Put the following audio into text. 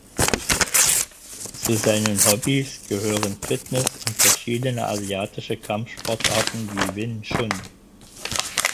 Zu seinen Hobbys gehören Fitness und verschiedene asiatische Kampfsportarten wie Wing Chun.